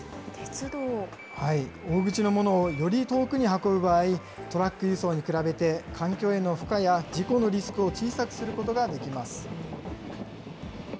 大口のものをより遠くに運ぶ場合、トラック輸送に比べて環境への負荷や、事故のリスクを小さくすることができます。